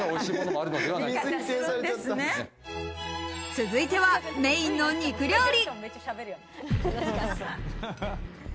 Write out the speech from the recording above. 続いてはメインの肉料理。